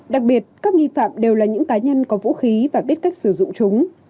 đặc biệt các nghi phạm đều là những cá nhân có vũ khí và biết cách xử dụng